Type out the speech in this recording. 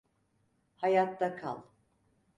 Hayatta kal.